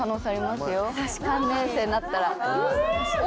３年生になったら。